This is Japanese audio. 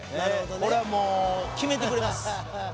これはもう決めてくれます